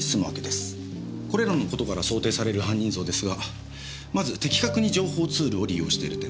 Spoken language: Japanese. これらの事から想定される犯人像ですがまず的確に情報ツールを利用してる点。